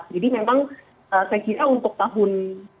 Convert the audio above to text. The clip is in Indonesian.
jadi memang saya kira untuk tahun dua ribu dua puluh tiga